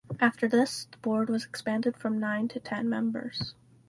After this the board was expanded from nine to ten members.